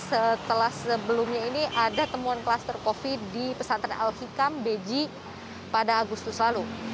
setelah sebelumnya ini ada temuan kluster covid di pesantren al hikam beji pada agustus lalu